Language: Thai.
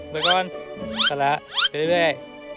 ไปก่อนสละไปเรื่อย